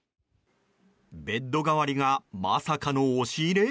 ベッド代わりがまさかの押し入れ？